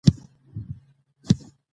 د صفوي امپراطورۍ تاریخ د ظلمونو یو کتاب دی.